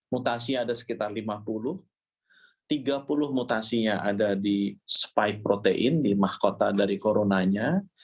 mutasi ada sekitar lima puluh tiga puluh mutasinya ada di spike protein di mahkota dari coronanya